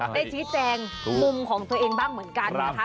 ได้ชี้แจงมุมของตัวเองบ้างเหมือนกันนะคะ